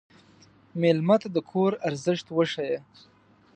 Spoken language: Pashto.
مېلمه ته د کور ارزښت وښیه.